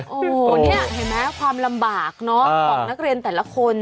โอ้โหนี่เห็นไหมความลำบากเนอะของนักเรียนแต่ละคน